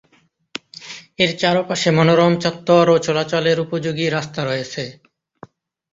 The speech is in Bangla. এর চারপাশে মনোরম চত্বর ও চলাচলের উপযোগী রাস্তা রয়েছে।